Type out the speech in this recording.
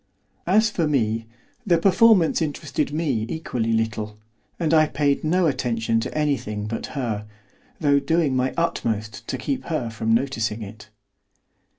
As for me, the performance interested me equally little, and I paid no attention to anything but her, though doing my utmost to keep her from noticing it.